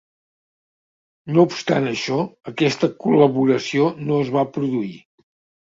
No obstant això, aquesta col·laboració no es va produir.